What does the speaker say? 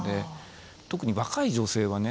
特に若い女性はね